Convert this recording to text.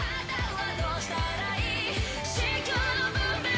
どうした？